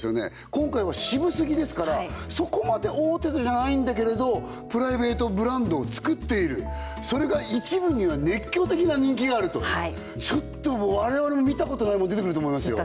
今回はシブすぎですからそこまで大手じゃないんだけれどプライベートブランドをつくっているそれが一部には熱狂的な人気があるとはいちょっと我々も見たことないもん出てくると思いますよ